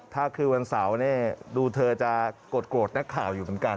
ถ้าคืนวันเสาร์ดูเธอจะโกรธนักข่าวอยู่เหมือนกัน